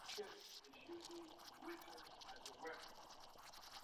To je důvod toho, proč nemůže dostat naši podporu.